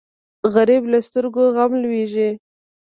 غریب له سترګو غم لوېږي